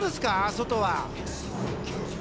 外は。